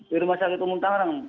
di rumah sakit bumutang rang